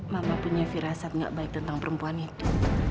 mama punya firasat gak baik tentang perempuan itu